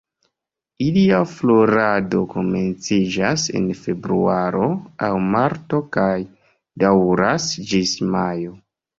Ilia florado komenciĝas en Februaro aŭ Marto kaj daŭras ĝis Majo.